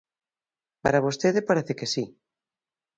Para vostede parece que si.